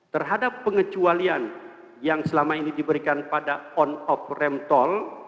terhadap pengecualian yang selama ini diberikan pada on off rem toll